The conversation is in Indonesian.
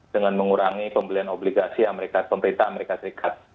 dengan mengurangi pembelian obligasi pemerintah amerika serikat